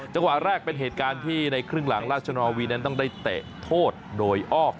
จังหวะแรกเป็นเหตุการณ์ที่ในครึ่งหลังราชนอวีนั้นต้องได้เตะโทษโดยอ้อม